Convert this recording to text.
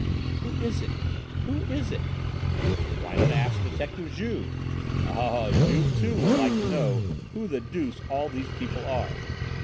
"Who is it! Who is it!" "Why not ask Detective Juve. Oh! Juve, too, would like to know who the deuce all these people are.